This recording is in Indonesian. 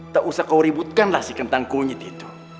tak usah kau ributkan lah si kentang kunyit itu